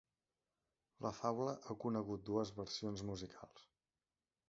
La faula ha conegut dues versions musicals.